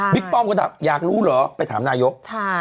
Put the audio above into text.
บิ๊กป้อมก็ท้ายอยากรู้เหรอไปถามนายก